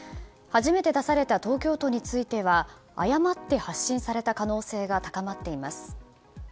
初めて出された東京都については誤って発信された可能性が高まっています。